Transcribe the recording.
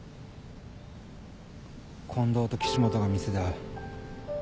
近藤と岸本が店で会う。